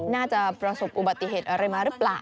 ประสบอุบัติเหตุอะไรมาหรือเปล่า